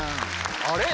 あれ？